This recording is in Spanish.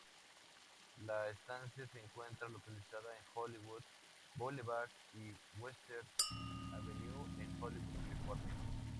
La estación se encuentra localizada en Hollywood Boulevard y Western Avenue en Hollywood, California.